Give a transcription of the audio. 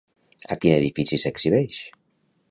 A quin edifici s'exhibeix?